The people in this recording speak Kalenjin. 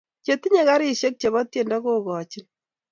Che tinyei garisiek chebo tiendo kokochin